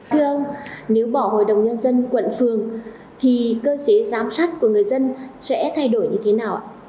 thưa ông nếu bỏ hội đồng nhân dân quận phường thì cơ chế giám sát của người dân sẽ thay đổi như thế nào ạ